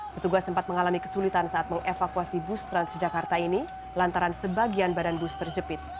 petugas sempat mengalami kesulitan saat mengevakuasi bus transjakarta ini lantaran sebagian badan bus terjepit